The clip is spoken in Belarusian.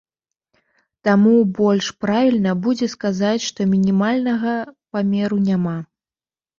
Таму больш правільна будзе сказаць, што мінімальнага памеру няма.